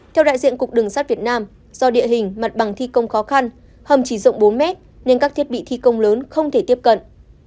theo đại diện cục đường sát việt nam do địa hình mặt bằng thi công khó khăn hầm chỉ rộng bốn mét nên các thiết bị thi công lớn không thể tiếp cận